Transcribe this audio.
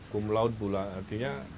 kumlaut pula artinya